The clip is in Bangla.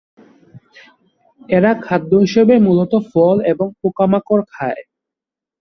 এরা খাদ্য হিসাবে মূলত ফল এবং পোকামাকড় খায়।